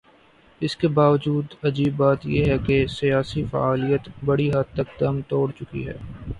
اس کے باوجود عجیب بات یہ ہے کہ سیاسی فعالیت بڑی حد تک دم توڑ چکی ہے۔